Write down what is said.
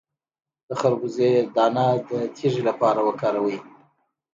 د خربوزې دانه د تیږې لپاره وکاروئ